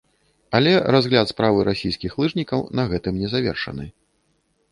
Але разгляд справы расійскіх лыжнікаў на гэтым не завершаны.